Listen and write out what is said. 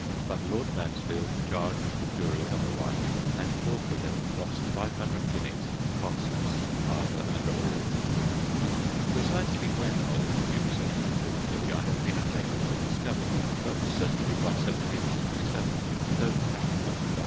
But Lord Mansfield charged the jury otherwise, and poor Pigot lost five hundred guineas, costs, father, and all. Precisely when Id Q. settled in Picca dilly I have been unable to discover, but certainly by 1767, though perhaps not at 138.